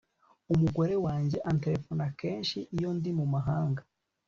Umugore wanjye anterefona kenshi iyo ndi mumahanga